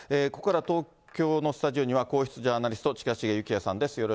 ここからは東京のスタジオには、皇室ジャーナリスト、近重幸哉さんです。